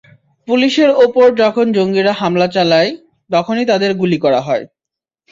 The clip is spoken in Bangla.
পুলিশের ওপর যখন জঙ্গিরা হামলা চালায়, তখনই তাদের গুলি করা হয়।